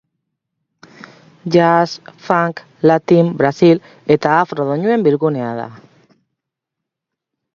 Jazz, funk, latin, brazil eta afro doinuen bilgunea da.